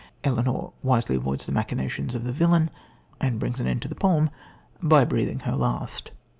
Elenor wisely avoids the machinations of the villain, and brings an end to the poem, by breathing her last.